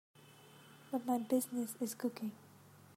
But my business is cooking.